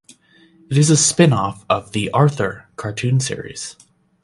It is a spin-off of the "Arthur" cartoon series.